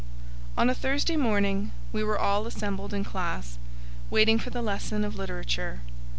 On a Thursday morning we were all assembled in classe, waiting for the lesson of literature.